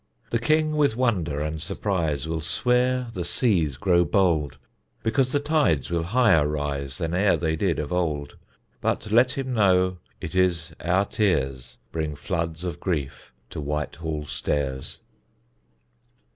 The king with wonder and surprise, Will swear the seas grow bold; Because the tides will higher rise Than e'er they did of old: But let him know it is our tears Bring floods of grief to Whitehall stairs.